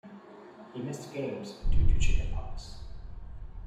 He missed games due to chicken pox.